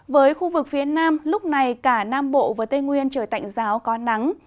với khu vực phía nam lúc này cả nam bộ và tây nguyên trời tạnh giáo có nắng